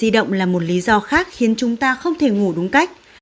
di động là một lý do khác khiến chúng ta không thể ngủ đúng cách